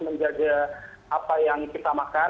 menjaga apa yang kita makan